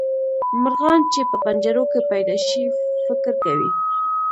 مرغان چې په پنجرو کې پیدا شي فکر کوي.